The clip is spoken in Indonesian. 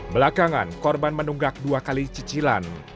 belakangan korban menunggak dua kali cicilan